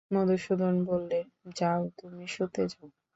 মধুসূদন বললে, যাও, তুমি শুতে যাও।